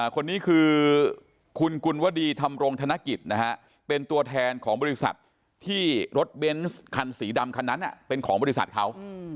คนนี้คือคุณกุลวดีธรรมรงธนกิจนะฮะเป็นตัวแทนของบริษัทที่รถเบนส์คันสีดำคันนั้นเป็นของบริษัทเขา